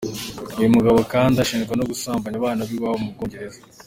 Uyu mugabo kandi ashinjwa no gusambanya abana b’iwabo mu Bwongereza.